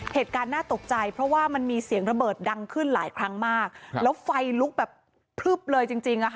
เหตุการณ์น่าตกใจเพราะว่ามันมีเสียงระเบิดดังขึ้นหลายครั้งมากแล้วไฟลุกแบบพลึบเลยจริงจริงอ่ะค่ะ